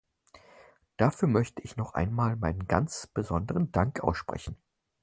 Dafür möchte ich noch einmal meinen ganz besonderen Dank aussprechen.